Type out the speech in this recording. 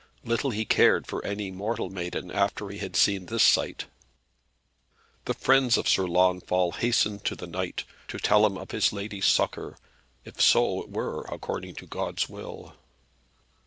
Little he cared for any mortal maiden, after he had seen this sight. The friends of Sir Launfal hastened to the knight, to tell him of his lady's succour, if so it were according to God's will.